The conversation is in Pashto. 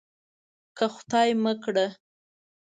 که خدای مه کړه.